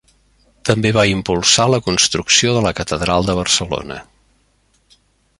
També va impulsar la construcció de la catedral de Barcelona.